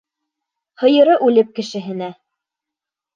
Һыйыры үлеп Кешеһенә.